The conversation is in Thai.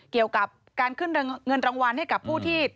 เกี่ยวกับการขึ้นเงินรางวัลให้กับผู้ที่